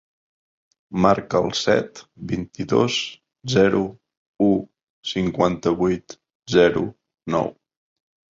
Marca el set, vint-i-dos, zero, u, cinquanta-vuit, zero, nou.